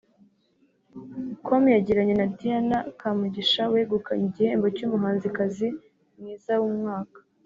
com yagiranye na Diana Kamugisha wegukanye igihembo cy’umuhanzikazi mwiza w’umwaka